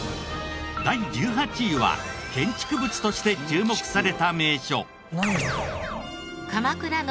第１８位は建築物として注目された名所。